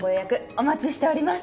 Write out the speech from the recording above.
お待ちしております。